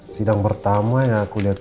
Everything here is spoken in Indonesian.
sidang pertama ya aku lihat